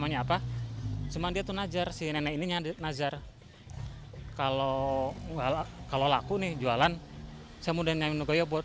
ya udah kalo laku nih jualan saya mau daun dan minum es goyobot